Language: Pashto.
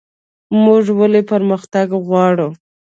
موږ ولې پرمختګ غواړو؟